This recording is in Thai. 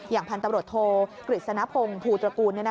อย่างพันธบริโฑธโทกฤษณพงษ์ภูตระกูล